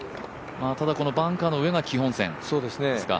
ただこのバンカーの上が基本線ですか。